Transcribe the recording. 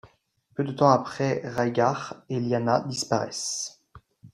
Peu de temps après Rhaegar et Lyanna disparaissent.